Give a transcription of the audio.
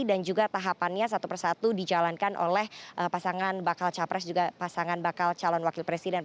dan juga tahapannya satu persatu dijalankan oleh pasangan bakal capres juga pasangan bakal calon wakil presiden